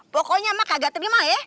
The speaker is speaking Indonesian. pokoknya emang kagak terima ya